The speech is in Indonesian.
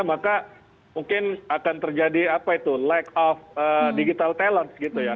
maka mungkin akan terjadi apa itu lag of digital talent gitu ya